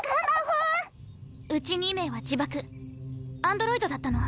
うち２名は自爆アンドロイドだったの。